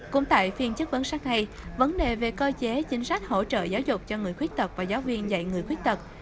cũng tại phiên chức vấn sách này vấn đề về cơ chế chính sách hỗ trợ giáo dục cho người khuyết tật và giáo viên dạy người khuyết tật